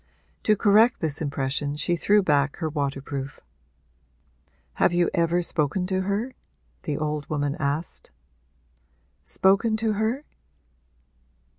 To correct this impression she threw back her waterproof. 'Have you ever spoken to her?' the old woman asked. 'Spoken to her?'